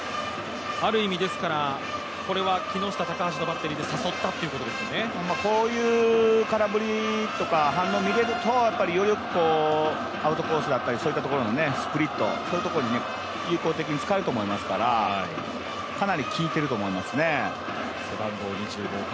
ある意味、このバッテリーでこういう空振りとか反応を見れると、ようやくアウトコースだったり、そういったところのスプリット、そういうところに有効的に使えると思いますから、かなりきいていると思いますね。